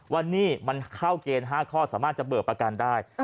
ว่านี่มันเข้าเกณฑ์๕ข้อสามารถจะเบิกประกันได้